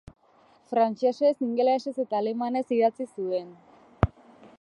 Frantsesez, ingelesez eta alemanez idatzi zuen.